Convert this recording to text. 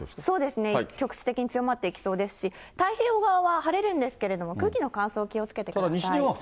局地的に強まっていきそうですし、太平洋側は晴れるんですけれども、空気の乾燥、気をつけてください。